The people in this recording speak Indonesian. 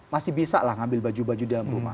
masih bisa lah ngambil baju baju dalam rumah